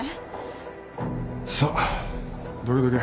さあどけどけ。